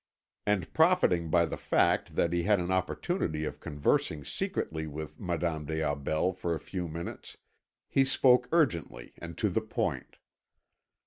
And profiting by the fact that he had an opportunity of conversing secretly with Madame des Aubels for a few minutes, he spoke urgently and to the point.